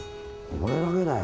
これだけだよ